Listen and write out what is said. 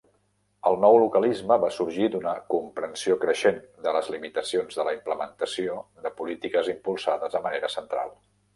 El nou localisme va sorgir d'una comprensió creixent de les limitacions de la implementació de polítiques impulsades de manera central.